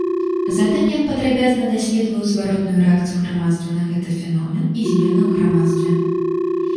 Затым ён падрабязна даследаваў зваротную рэакцыю грамадства на гэты феномен і змены ў грамадстве.